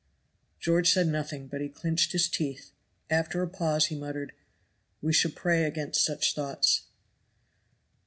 George said nothing, but he clinched his teeth. After a pause he muttered, "We should pray against such thoughts."